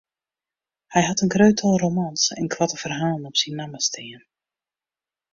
Hy hat in grut tal romans en koarte ferhalen op syn namme stean.